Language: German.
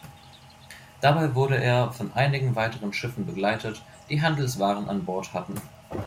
Dabei wurde er von einigen weiteren Schiffen begleitet, die Handelswaren an Bord hatten.